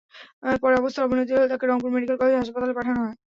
পরে অবস্থার অবনতি হলে তাঁকে রংপুর মেডিকেল কলেজ হাসপাতালে পাঠানো হয়।